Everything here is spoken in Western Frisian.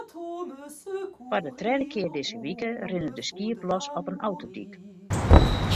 Foar de tredde kear dizze wike rinne der skiep los op in autodyk.